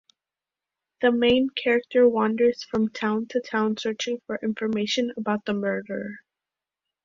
The main character wanders from town to town searching for information about the murderer.